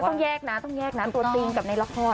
ต้องแยกนะต้องแยกนะตัวจริงกับในละคร